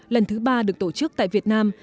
lần thứ ba được tổ chức tại việt nam